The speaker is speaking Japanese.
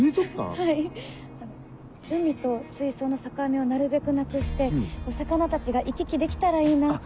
はい海と水槽の境目をなるべくなくして魚たちが行き来できたらいいなって。